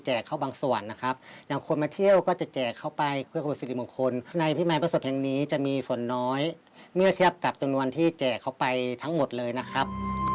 เชื่อเทียบกับจำนวนที่แจกเขาไปทั้งหมดเลยนะครับ